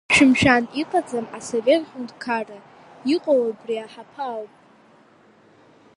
Шәымшәан, иҟаӡам асовет ҳәынҭқарра, иҟоу абри аҳаԥы ауп.